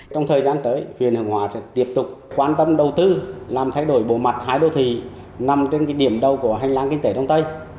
trong thời gian tới huyện hướng hóa sẽ tiếp tục quan tâm đầu tư làm thay đổi bộ mặt hai đô thị nằm trên điểm đầu của hành lang kinh tế đông tây